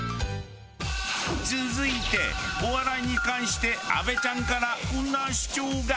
続いてお笑いに関して安部ちゃんからこんな主張が。